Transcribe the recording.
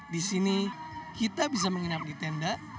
di sini kita bisa menginap di tenda